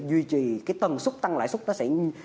duy trì cái tầng xuất tăng lãi xuất nó sẽ